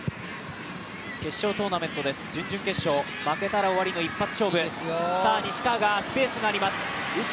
決勝トーナメント、準々決勝負けたら終わりの一発勝負。